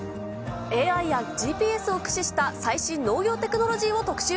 ＡＩやＧＰＳを駆使した最新農業テクノロジーを特集。